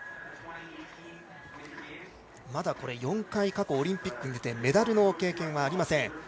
まだ４回過去オリンピックでメダルの経験はありません。